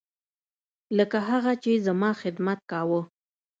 لکه هغه چې زما خدمت کاوه.